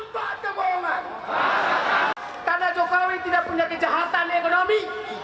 karena jokowi tidak punya kejahatan ekonomi